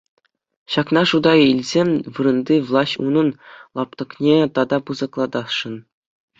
Ҫакна шута илсе вырӑнти влаҫ унӑн лаптӑкне тата пысӑклатасшӑн.